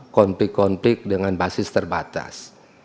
kontik kontik dengan basis terbatas